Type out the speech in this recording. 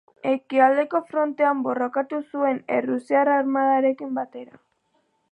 Ekialdeko Frontean borrokatu zuen errusiar armadarekin batera.